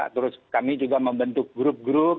terus kami juga membentuk grup grup